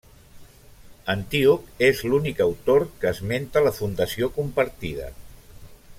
Antíoc és l'únic autor que esmenta la fundació compartida.